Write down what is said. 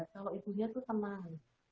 kalau ibunya itu tenang